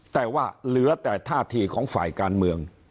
แต่ว่าเหลือแต่ท่าทีของฝ่ายการเมือง